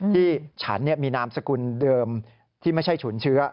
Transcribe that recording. ที่ฉันมีนามสกุลเดิมที่ไม่ใช่ฉุนเชื้อ